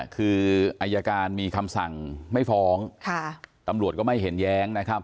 คืออายการมีคำสั่งไม่ฟ้องตำรวจก็ไม่เห็นแย้งนะครับ